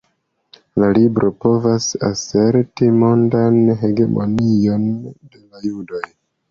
La libro provas aserti mondan hegemonion de la judoj.